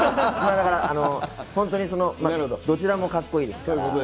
だから、本当にその、どちらもかっこいいですから。